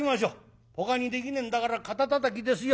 ほかにできねえんだから肩たたきですよ。